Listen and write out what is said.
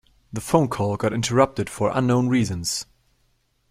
The phone call got interrupted for unknown reasons.